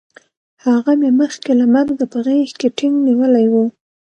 هغه مې مخکې له مرګه په غېږ کې ټینګ نیولی وی